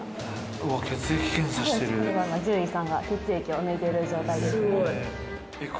これは獣医さんが血液を抜いている状態ですね。